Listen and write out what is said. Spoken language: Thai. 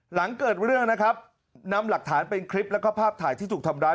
หลังเกิดเรื่องนะครับนำหลักฐานเป็นคลิปแล้วก็ภาพถ่ายที่ถูกทำร้าย